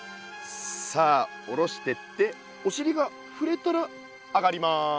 さあ下ろしてっておしりが触れたら上がります。